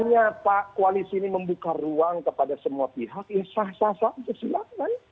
masanya pak kualis ini membuka ruang kepada semua pihak ya sah sah sah